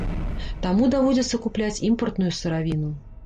Таму даводзіцца купляць імпартную сыравіну.